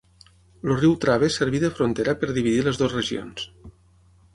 El riu Trave serví de frontera per dividir les dues regions.